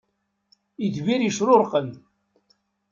Itbir yecrurqen.